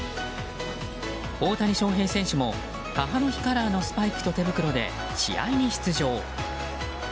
大谷翔平選手も母の日カラーのスパイクと手袋で試合に出場。